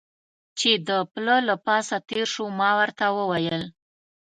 چې د پله له پاسه تېر شو، ما ورته وویل.